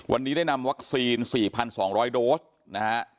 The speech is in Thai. วันนี้ได้นำวัคซีน๔๒๐๐โดสนะฮะ